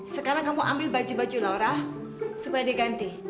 sekarang kamu ambil baju baju laura supaya diganti